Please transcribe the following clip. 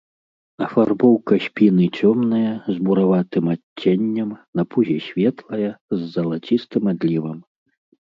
Афарбоўка спіны цёмная, з бураватым адценнем, на пузе светлая, з залацістым адлівам.